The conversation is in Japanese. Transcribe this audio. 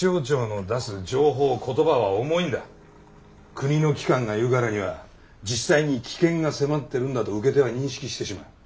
国の機関が言うからには実際に危険が迫ってるんだと受け手は認識してしまう。